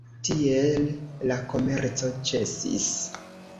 Tiel la komerco ĉesis.